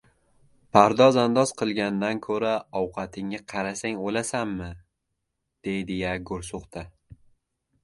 «Pardoz-andoz qilgandan ko‘ra ovqatingga qarasang o‘lasanmi!» deydi-ya, go‘rso‘xta!